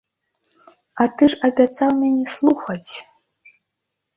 А ты ж абяцаў мяне слухаць.